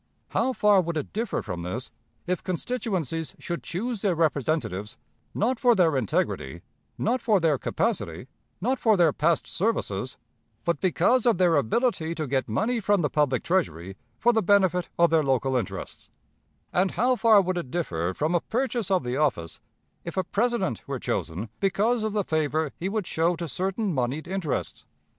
How far would it differ from this if constituencies should choose their representatives, not for their integrity, not for their capacity, not for their past services, but because of their ability to get money from the public Treasury for the benefit of their local interests; and how far would it differ from a purchase of the office if a President were chosen because of the favor he would show to certain moneyed interests?